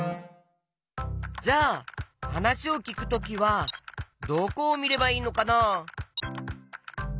じゃあはなしをきくときはどこをみればいいのかな？